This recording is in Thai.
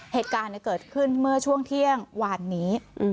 เหตุการณ์เกิดขึ้นเมื่อช่วงเที่ยงวานนี้